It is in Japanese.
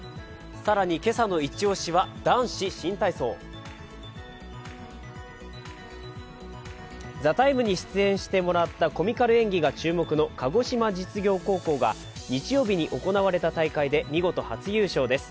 更に、今朝のイチ押しは男子新体操「ＴＨＥＴＩＭＥ，」に出演してもらったコミカル体操、鹿児島実業高校が日曜日に行われた大会で見事初優勝です。